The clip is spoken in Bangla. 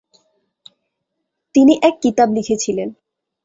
তিনি এক কিতাব লিখেছিলেন।